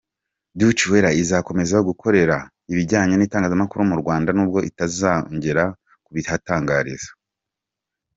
Deutche Welle izakomeza gukora ibijyanye n’itangazamakuru mu Rwanda nubwo itazongera kubihatangariza.